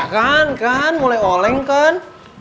kan kan mulai oleng kan